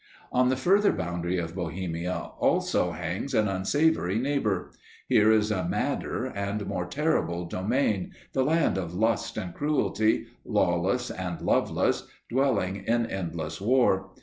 On the further boundary of Bohemia, also, hangs an unsavoury neighbour. Here is a madder and more terrible domain, the land of lust and cruelty, lawless and loveless, dwelling in endless war.